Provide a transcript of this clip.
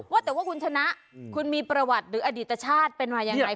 ว่าแต่ว่าคุณชนะคุณมีประวัติหรืออดีตชาติเป็นมายังไง